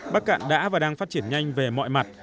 bắc cạn đã và đang phát triển nhanh về mọi mặt